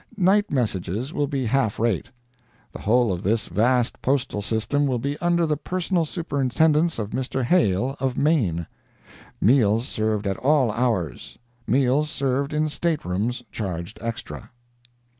Night messages will be half rate. The whole of this vast postal system will be under the personal superintendence of Mr. Hale of Maine. Meals served at all hours. Meals served in staterooms charged extra.